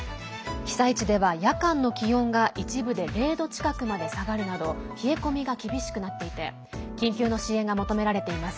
被災地では夜間の気温が一部で０度近くまで下がるなど冷え込みが厳しくなっていて緊急の支援が求められています。